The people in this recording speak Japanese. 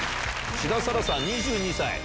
志田彩良さん２２歳。